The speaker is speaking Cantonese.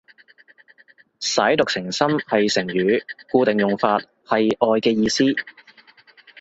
舐犢情深係成語，固定用法，係愛嘅意思